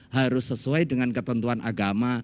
harus sesuai dengan ketentuan agama